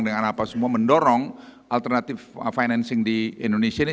dengan apa semua mendorong alternatif financing di indonesia ini